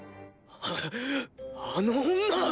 ああの女！